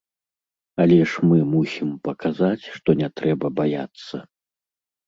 Але ж мы мусім паказаць, што не трэба баяцца.